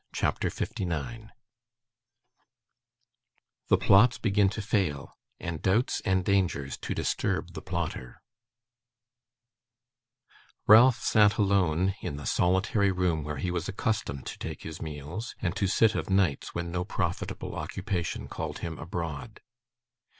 CHAPTER 59 The Plots begin to fail, and Doubts and Dangers to disturb the Plotter Ralph sat alone, in the solitary room where he was accustomed to take his meals, and to sit of nights when no profitable occupation called him abroad.